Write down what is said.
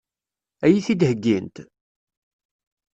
Ad iyi-t-id-heggint?